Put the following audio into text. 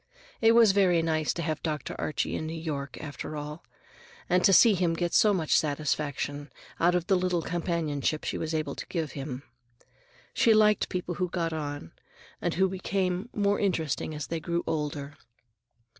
It was very nice to have Dr. Archie in New York, after all, and to see him get so much satisfaction out of the little companionship she was able to give him. She liked people who got on, and who became more interesting as they grew older.